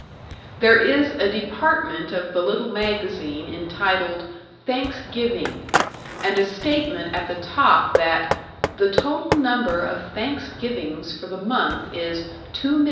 There is a department of the little magazine entitled "Thanksgiving", and a statement at the top that "the total number of Thanksgivings for the month is 2,143,911."